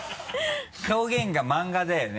表現が漫画だよね。